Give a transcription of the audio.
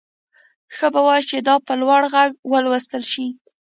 ښه به وي چې دا په لوړ غږ ولوستل شي